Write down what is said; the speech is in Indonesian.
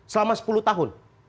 selama sepuluh tahun